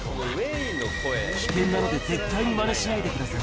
危険なので絶対にまねしないでください。